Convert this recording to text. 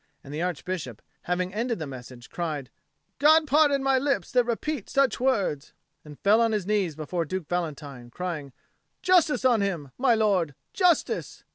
And the Archbishop, having ended the message, cried, "God pardon my lips that repeat such words," and fell on his knees before Duke Valentine, crying, "Justice on him, my lord, justice!"